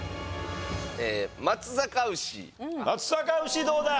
松阪牛どうだ？